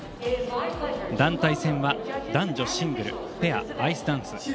団体戦は男女シングル、ペアアイスダンス